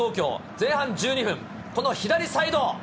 前半１２分、この左サイド。